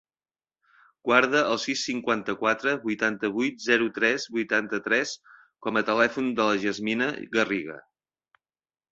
Guarda el sis, cinquanta-quatre, vuitanta-vuit, zero, tres, vuitanta-tres com a telèfon de la Yasmine Garriga.